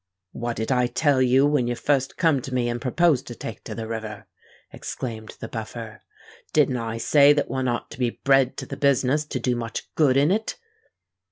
"What did I tell you, when you fust come to me and proposed to take to the river?" exclaimed the Buffer. "Didn't I say that one ought to be bred to the business to do much good in it?"